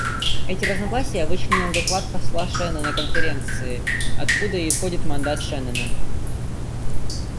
Эти разногласия вычленил доклад посла Шеннона Конференции, откуда и исходит мандат Шеннона.